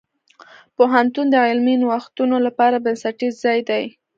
پوهنتون د علمي نوښتونو لپاره بنسټیز ځای دی.